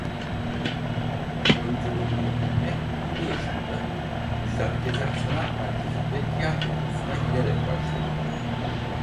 Oyunculuk eğitimine yedi yaşında Müjdat Gezen Sanat Merkezi'nde tiyatro kursuna giderek başladı.